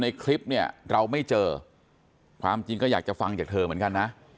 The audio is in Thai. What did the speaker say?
คลิปเนี่ยเราไม่เจอความจริงก็อยากจะฟังจากเธอเหมือนกันนะ